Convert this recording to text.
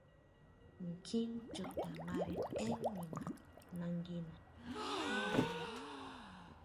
Kjín chuta mare énn nima nanguina.